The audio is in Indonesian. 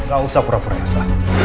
gak usah pura pura biasa